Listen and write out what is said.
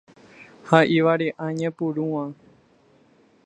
Ha ivare'añepyrũma.